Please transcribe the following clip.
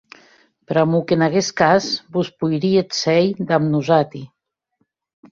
Pr'amor qu'en aguest cas vos poiríetz sèir damb nosati.